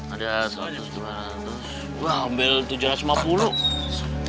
ada rp seratus rp dua ratus